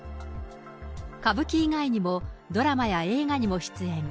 歌舞伎以外にもドラマや映画にも出演。